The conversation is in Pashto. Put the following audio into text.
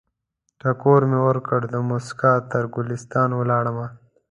ټکور مې ورکړ، دموسکا تر ګلستان ولاړمه